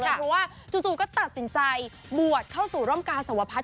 เพราะว่าจู่ก็ตัดสินใจบวชเข้าสู่ร่มกาสวพัฒ